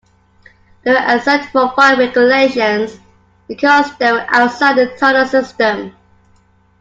They were exempt from fire regulations because they were outside the tunnel system.